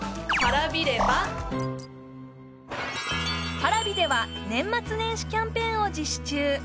Ｐａｒａｖｉでは年末年始キャンペーンを実施中